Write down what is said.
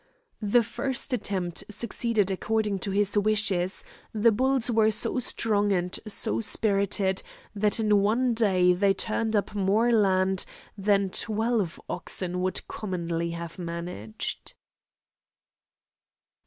The first attempt succeeded according to his wishes; the bulls were so strong and so spirited, that in one day they turned up more land than twelve oxen would commonly have managed.